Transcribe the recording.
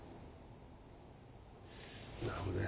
なるほどね。